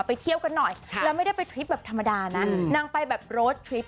เที่ยวกันหน่อยแล้วไม่ได้ไปทริปแบบธรรมดานะนางไปแบบโรดทริป